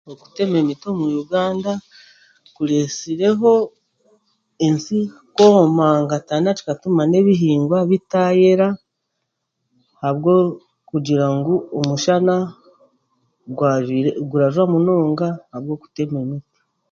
Okutema emiti omu Uganda kuresireho ensi kw'omangatana kikatuma n'ebihiingwa bitayeera ahabw'okugira ngu omushana gurajwa munonga ahabw'okutema emiti.